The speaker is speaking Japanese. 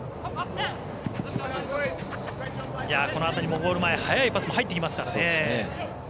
ゴール前、速いパスも入ってきますからね。